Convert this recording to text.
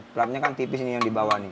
platnya kan tipis yang di bawah ini